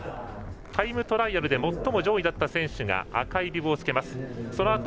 タイムトライアルで最も上位だった選手が赤いビブをつけます。